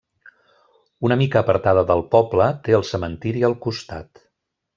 Una mica apartada del poble, té el cementiri al costat.